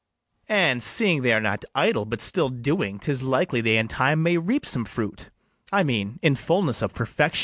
] And, seeing they are not idle, but still doing, 'Tis likely they in time may reap some fruit, I mean, in fullness of perfection.